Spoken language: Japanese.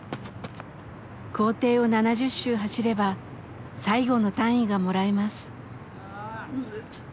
校庭を７０周走れば最後の単位がもらえます。